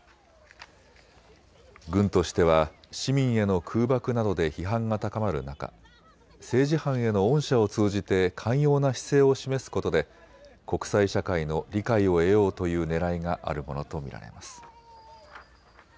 軍としては市民への空爆などで批判が高まる中、政治犯への恩赦を通じて寛容な姿勢を示すことで国際社会の理解を得ようというねらいがあるものと見られます。